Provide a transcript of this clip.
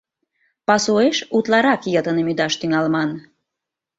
Пасуэш утларак йытыным ӱдаш тӱҥалман.